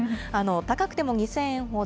高くても２０００円ほど。